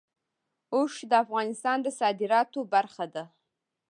اوښ د افغانستان د صادراتو برخه ده.